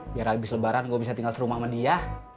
biar habis lebaran gue bisa tinggal serumah sama dia